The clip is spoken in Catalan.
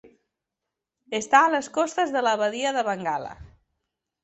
Està a les costes de la Badia de Bengala.